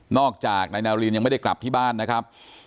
จากนายนาลีนยังไม่ได้กลับที่บ้านนะครับ